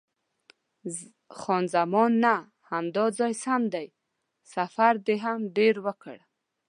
خان زمان: نه، همدا ځای سم دی، سفر دې هم ډېر وکړ.